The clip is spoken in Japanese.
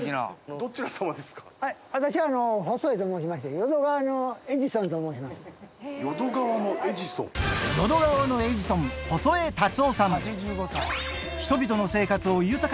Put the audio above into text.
どちら様ですか。